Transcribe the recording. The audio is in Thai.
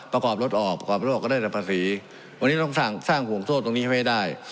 ประกอบรถออกประกอบรถออกก็ได้แต่ภาษีวันนี้ต้องสร้างสร้างห่วงโทษตรงนี้ให้ได้